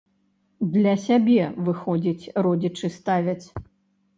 Для сябе, выходзіць, родзічы ставяць.